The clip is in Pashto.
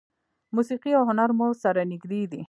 موسیقي او هنر مو سره نږدې دي.